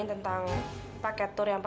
kenapa kau pakai alena